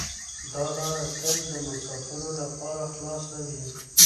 دا لاره تل د مسافرو لپاره خلاصه وي.